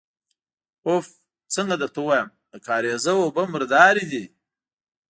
اوف! څنګه درته ووايم، د کارېزه اوبه مردارې دي.